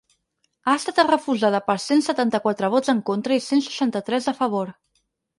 Ha estat refusada per cent setanta-quatre vots en contra i cent seixanta-tres a favor.